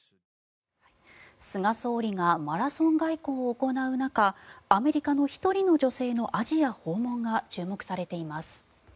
菅総理がマラソン外交を行う中アメリカの１人の女性のアジア訪問が注目されています。